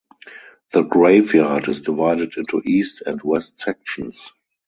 The graveyard is divided into east and west sections.